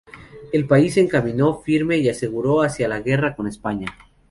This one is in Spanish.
El país se encaminó firme y seguro hacia la guerra con España.